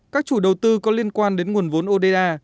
các chủ đầu tư có liên quan đến nguồn vốn oda